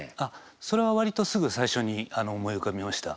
それは割とすぐ最初に思い浮かびました。